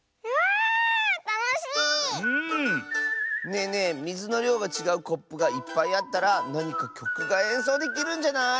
ねえねえみずのりょうがちがうコップがいっぱいあったらなにかきょくがえんそうできるんじゃない？